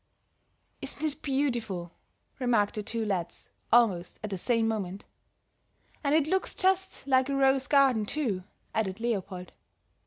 "Isn't it beautiful!" remarked the two lads almost at the same moment. "And it looks just like a rose garden, too," added Leopold.